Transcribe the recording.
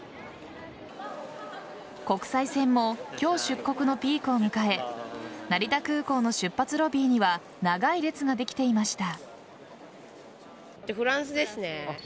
国際線も今日、出国のピークを迎え成田空港の出発ロビーには長い列ができていました。